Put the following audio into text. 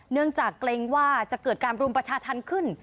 เนื่องจากเกรงว่าจะเกิดการรุมประชาธรรมขึ้น